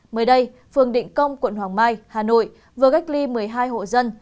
mới đây phường định công quận hoàng mai hà nội vừa cách ly một mươi hai hộ dân